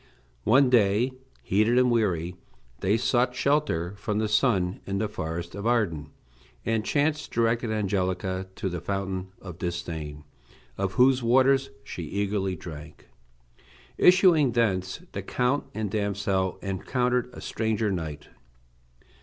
One day, heated and weary, they sought shelter from the sun in the forest of Arden, and chance directed Angelica to the fountain of Disdain, of whose waters she eagerly drank. Issuing thence, the Count and damsel encountered a stranger knight.